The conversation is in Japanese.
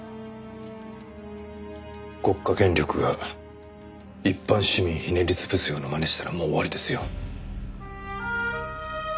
国家権力が一般市民ひねり潰すようなまねしたらもう終わりですよ。